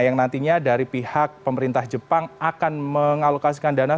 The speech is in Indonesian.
yang nantinya dari pihak pemerintah jepang akan mengalokasikan dana